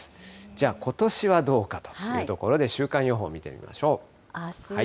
じゃ、ことしはどうかというところで、週間予報見てみましょう。